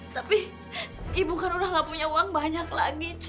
tapi ibu kan udah gak punya uang banyak lagi ci